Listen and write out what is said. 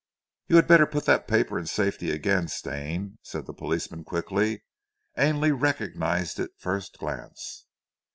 "You had better put that paper in safety, again, Stane," said the policeman quickly. "Ainley recognized it first glance."